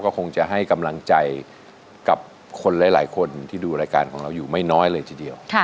ก็คงจะให้กำลังใจกับคนหลายคนที่ดูรายการของเราอยู่ไม่น้อยเลยทีเดียว